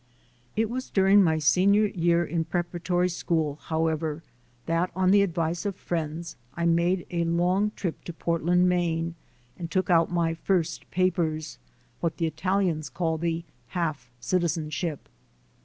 It was during my senior year in preparatory school, however, that on the advice of friends I made a long trip to Portland, Maine, and took out my first papers, what the Italians call "the half citi zenship."